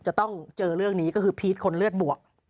จะต้องเจอเรื่องนี้ก็คือพีชคนเลือดบวก